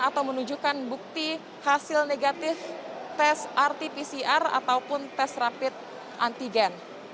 atau menunjukkan bukti hasil negatif tes rt pcr ataupun tes rapid antigen